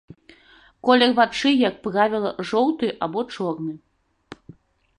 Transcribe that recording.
Колер вачэй, як правіла, жоўты або чорны.